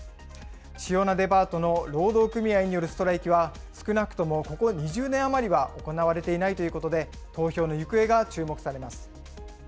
主要なデパートの労働組合によるストライキは、少なくともここ２０年余りは行われていないということで、投票の行方が注目されます。